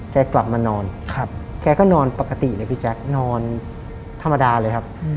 กลับมานอนแกก็นอนปกติเลยพี่แจ๊คนอนธรรมดาเลยครับ